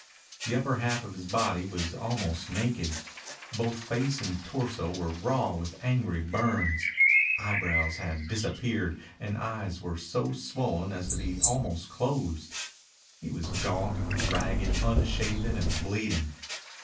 The upper half of his body was almost naked. Both face and torso were raw with angry burns. Eyebrows had disappeared and eyes were so swollen as to be almost closed. He was gaunt, ragged, unshaven, and bleeding.